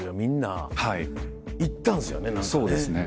はいそうですね。